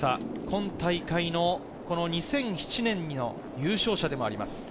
今大会、２００７年の優勝者でもあります。